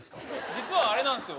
実はあれなんですよ。